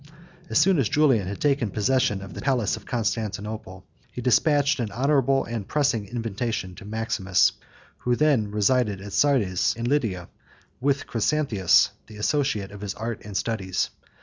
45 As soon as Julian had taken possession of the palace of Constantinople, he despatched an honorable and pressing invitation to Maximus, who then resided at Sardes in Lydia, with Chrysanthius, the associate of his art and studies.